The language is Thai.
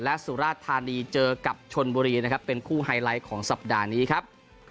และสุราธานีเจอกับชนบุรีนะครับเป็นคู่ไฮไลท์ของสัปดาห์นี้ครับ